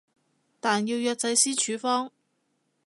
但要藥劑師處方